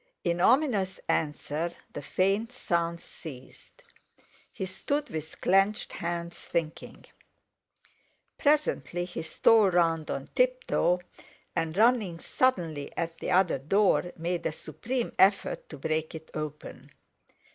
In ominous answer, the faint sounds ceased. He stood with clenched hands, thinking. Presently he stole round on tiptoe, and running suddenly at the other door, made a supreme effort to break it open.